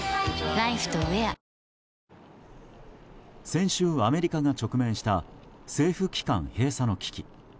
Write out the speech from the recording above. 先週、アメリカが直面した政府機関閉鎖の危機。